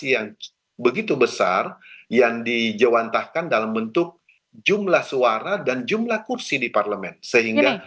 yang begitu besar yang dijawantahkan dalam bentuk jumlah suara dan jumlah kursi di parlemen sehingga